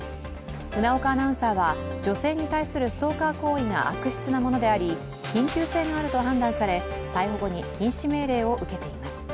船岡アナウンサーは女性に対するストーカー行為が悪質なものであり緊急性があると判断され、逮捕後に禁止命令を受けています。